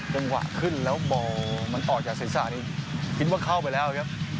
จังหวะขึ้นแล้วบ่อมันออกจากศีรษะนี่คิดว่าเข้าไปแล้วครับ